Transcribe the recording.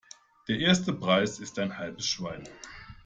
Der erste Preis ist ein halbes Schwein.